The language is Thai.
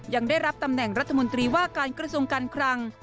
ยังได้รับตำแหน่งรัฐมนตรีว่าการกระทรวงการคลัง